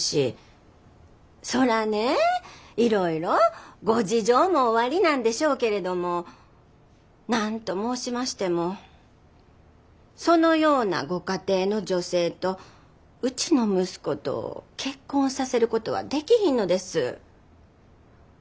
そらねいろいろご事情もおありなんでしょうけれどもなんと申しましてもそのようなご家庭の女性とうちの息子と結婚させることはできひんのです。